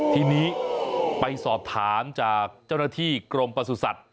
ทีนี้ไปสอบถามจากเจ้าหน้าที่กรมประสุทธิ์